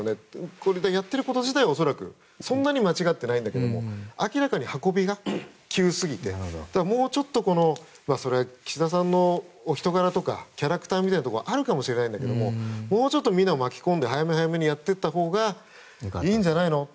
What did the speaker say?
これ、やっていること自体は恐らくそんなに間違っていないんだけど明らかに運びが急すぎてそれは岸田さんのお人柄とかキャラクターみたいなところもあるかもしれないんだけれどもみんなを巻き込んで早め早めにやっていったほうがいいんじゃないの？と。